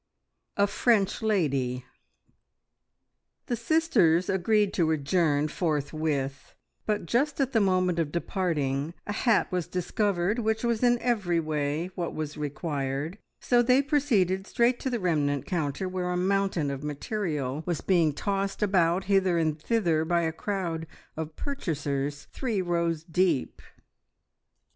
"A FRENCH LADY." The sisters agreed to adjourn forthwith, but just at the moment of departing a hat was discovered which was in every way what was required, so they proceeded straight to the remnant counter where a mountain of material was being tossed about hither and thither by a crowd of purchasers three rows deep.